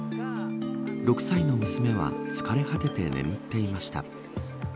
６歳の娘は疲れ果てて眠っていました。